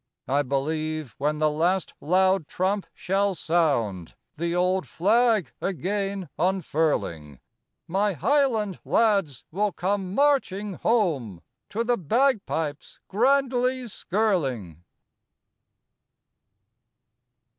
I believe when the last loud trump shall sound, The old flag again unfurling, My highland lads will come marching home To the bagpipes grandly skirling.